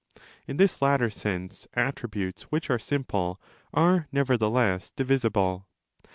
In this latter sense attributes which are simple® are nevertheless divisible.